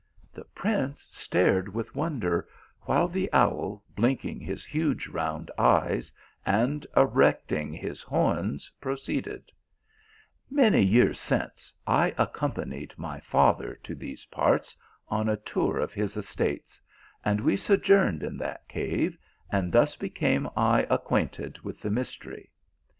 The prince stared with wonder, while the owl blinking his huge round eyes and erecting his horns, proceeded :" Many years since, I accompanied my father to these parts on a tour of his estates, and we so journed in that cave, and thus became I acquainted with the mystery.